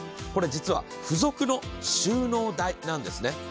これ実は付属の収納台なんですね。